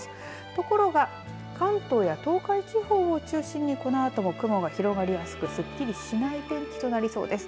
ところが、関東や東海地方を中心に、このあとも雲が広がりやすくすっきりしない天気となりそうです。